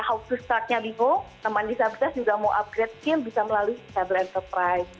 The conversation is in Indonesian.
ya how to startnya divo teman disabilitas juga mau upgrade mungkin bisa melalui disable enterprise